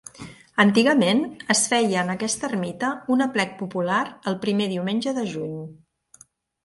Antigament es feia en aquesta ermita un aplec popular el primer diumenge de juny.